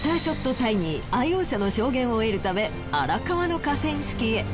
タイニー愛用者の証言を得るため荒川の河川敷へ。